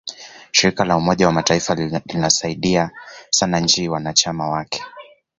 shirika la umoja wa mataifa linasaidia sana nchi wanachama wake